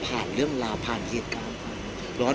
พี่อัดมาสองวันไม่มีใครรู้หรอก